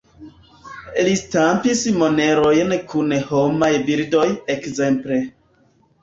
Li stampis monerojn kun homaj bildoj, ekzemple.